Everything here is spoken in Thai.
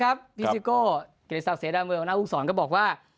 ครับฟิซิโกเกรียร์ทรัพย์เศรษฐ์เศรษฐ์เมืองอศูนย์ก็บอกว่า